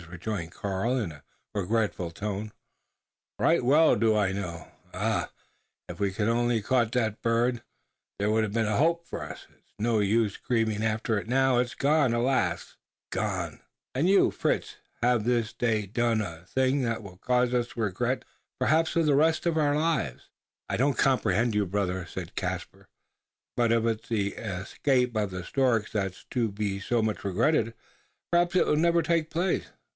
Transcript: rejoined Karl, in a regretful tone; "right well do I know. Ah! if we could only have caught that bird, there would have been a hope for us. It's no use grieving after it now. It's gone alas! it's gone; and you, Fritz, have this day done a thing that will cause us all regret perhaps for the rest of our lives." "I don't comprehend you, brother!" said Caspar; "but if it's the escape of the storks that's to be so much regretted, perhaps it will never take place.